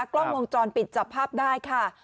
กล้องวงจรปิดจับภาพได้ค่ะ